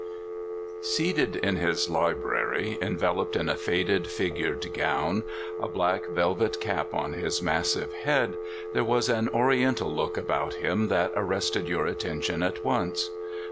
OEATED in his library, enveloped in a faded w3 figured gown, a black velvet cap on his mass ive head, there was an Oriental look about him that arrested your attention at once.